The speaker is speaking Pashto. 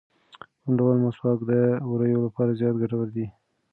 کوم ډول مسواک د ووریو لپاره زیات ګټور دی؟